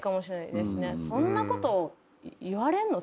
そんなこと言われんの？